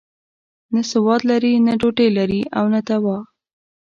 نه سواد لري، نه ډوډۍ لري او نه دوا.